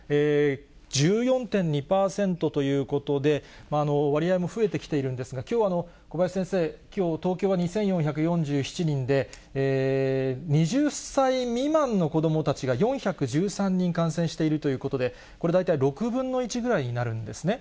１４．２％ということで、割合も増えてきているんですが、きょうは小林先生、きょう、東京は２４４７人で、２０歳未満の子どもたちが４１３人感染しているということで、これ大体、６分の１ぐらいになるんですね。